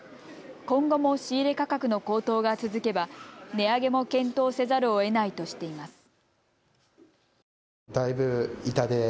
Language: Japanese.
今後も仕入れ価格の高騰が続けば、値上げも検討せざるをえないとしています。